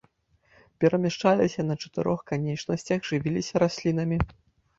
Перамяшчаліся на чатырох канечнасцях, жывіліся раслінамі.